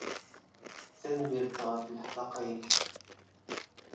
Tanemmirt ɣef leḥdaqa-inek.